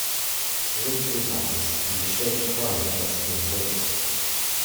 He lifted his eyes, and a strange cry burst from his lips.